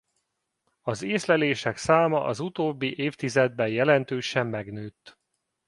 Az észlelések száma az utóbbi évtizedben jelentősen megnőtt.